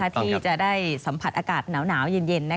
ที่จะได้สัมผัสอากาศหนาวเย็น